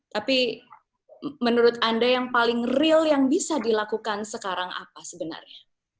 tapi menurut anda yang paling real yang bisa dilakukan sekarang apa sebenarnya